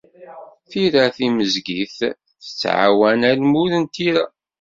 Tira timezgit tettɛawan almud n tira.